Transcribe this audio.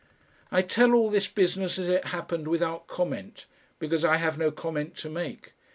I tell all this business as it happened without comment, because I have no comment to make.